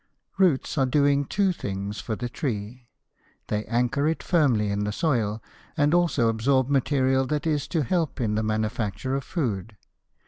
Roots are doing two things for the tree: They anchor it firmly in the soil, and also absorb material that is to help in the manufacture of food.